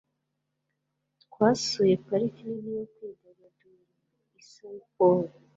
Twasuye parike nini yo kwidagadura i São Paulo.